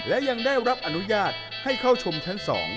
และยังได้รับอนุญาตให้เข้าชมชั้น๒